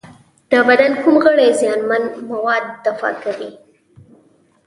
د بدن کوم غړي زیانمن مواد دفع کوي؟